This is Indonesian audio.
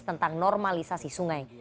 tentang normalisasi sungai